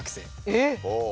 えっ！